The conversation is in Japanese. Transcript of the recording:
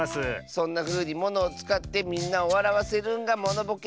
そんなふうにものをつかってみんなをわらわせるんがモノボケ。